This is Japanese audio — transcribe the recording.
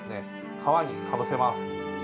皮にかぶせます。